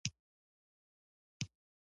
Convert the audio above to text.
موږ د دې فطري کار په لامل نه پوهېدو.